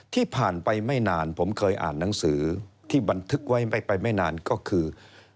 ที่ผ่านไปไม่นานผมเคยอ่านหนังสือที่บันทึกไว้ไม่ไปไม่นานก็คือ